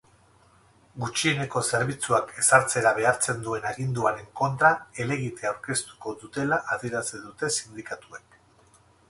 Gutxieneko zerbitzuak ezartzera behartzen duen aginduaren kontra helegitea aurkeztuko dutela adierazi dute sindikatuek.